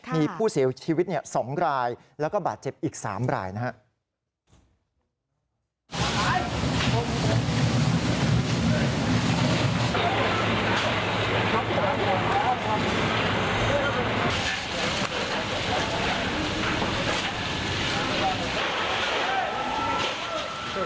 มีผู้เสียชีวิต๒รายแล้วก็บาดเจ็บอีก๓รายนะครับ